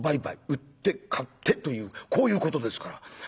売って買ってというこういうことですから。